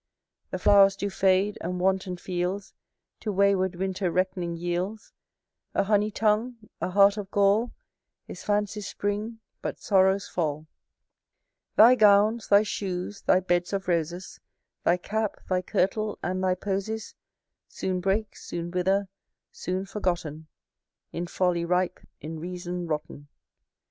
The flowers do fade, and wanton fields To wayward winter reckoning yields. A honey tongue, a heart of gall, Is fancy's spring but sorrow's fall. Thy gowns, thy shoes, thy beds of roses, Thy cap, thy kirtle, and thy posies, Soon break, soon wither, soon forgotten; In folly rise, in reason rotten.